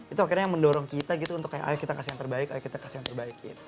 itu akhirnya yang mendorong kita gitu untuk kayak ayo kita kasih yang terbaik ayo kita kasih yang terbaik gitu